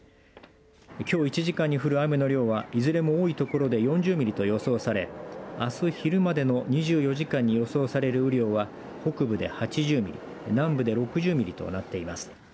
きょう１時間に降る雨の量はいずれも多いところで４０ミリと予想されあす昼までの２４時間に予想される雨量は北部で８０ミリ南部で６０ミリとなっています。